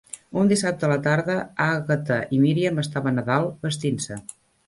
Un dissabte a la tarda, Agatha i Miriam estaven a dalt, vestint-se.